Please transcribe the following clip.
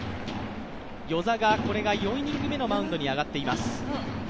與座が４イニング目のマウンドに上がっています。